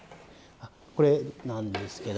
これなんですけど。